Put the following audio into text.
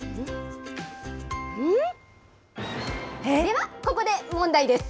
ではここで問題です。